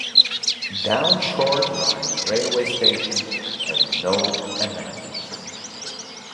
Daund Chord Line railway station has no amenities.